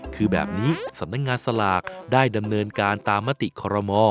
คือแบบนี้สำนักงานสลากได้ดำเนินการตามมติคอรมอ